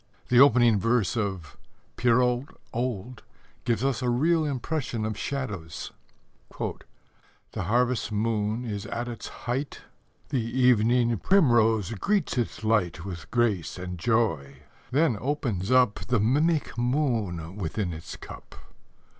The opening verse of Pierrot Old gives us a real impression of shadows: The harvest moon is at its height, The evening primrose greets its light With grace and joy: then opens up The mimic moon within its cup.